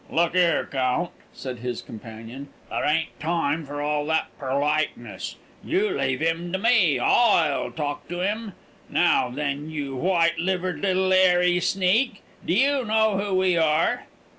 "Look 'ere, Count," said his companion, "there ain't time for all that perliteness. You leave him to me; I'll talk to him! Now then, you white livered little airy sneak, do you know who we are?"